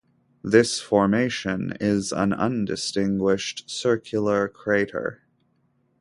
This formation is an undistinguished, circular crater.